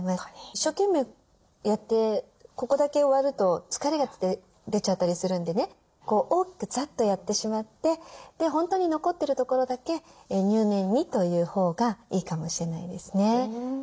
一生懸命やってここだけ終わると疲れが出ちゃったりするんでね大きくざっとやってしまって本当に残ってるところだけ入念にというほうがいいかもしれないですね。